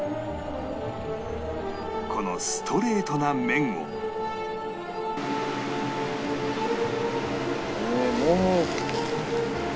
このストレートな麺をへえもむ。